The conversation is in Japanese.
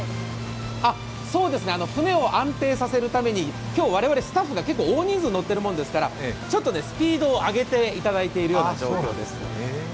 船を安定させるために、今日我々スタッフが大人数乗っているものですから、ちょっとスピードを上げていただいているような状況です。